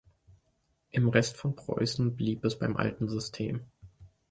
Im Rest von Preußen blieb es beim alten System.